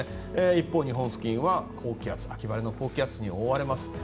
一方、日本付近は秋晴れの高気圧に覆われます。